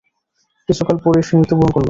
কিছুকাল পরেই সে মৃত্যুবরণ করল।